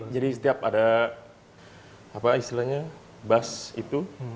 jadi setiap ada apa istilahnya bus itu